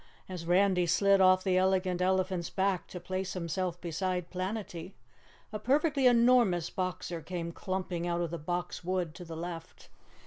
As Randy slid off the Elegant Elephant's back to place himself beside Planetty, a perfectly enormous Boxer came clumping out of the Box Wood to the left.